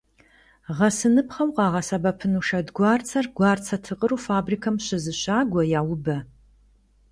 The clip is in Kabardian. Гъэсыныпхъэу къагъэсэбэпыну шэдгуарцэр гуарцэ тыкъыру фабрикэм щызыщагуэ, яубэ.